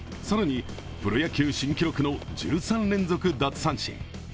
更に、プロ野球新記録の１３連続奪三振。